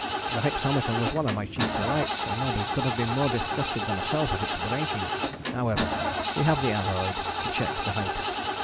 The hypsometer was one of my chief delights, and nobody could have been more disgusted than myself at its breaking. However, we have the aneroid to check the height.